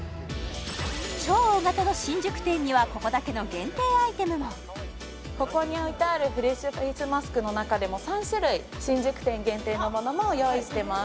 超大型の新宿店にはここだけの限定アイテムもここに置いてあるフレッシュフェイスマスクの中でも３種類新宿店限定のものも用意してます